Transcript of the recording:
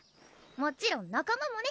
もちろん仲間もね。